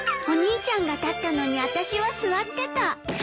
お兄ちゃんが立ったのにあたしは座ってた。